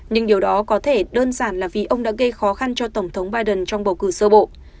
nhưng điều đó có thể đơn giản là vì ông đã gây khó khăn cho tổng thống biden trong bầu cử sơ bộ